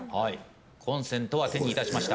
コンセントは手にいたしました。